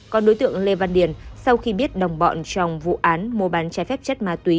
còn đối tượng lê văn điền sau khi biết đồng bọn trong vụ án mua bán trái phép chất ma túy